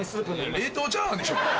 冷凍チャーハンでしょ？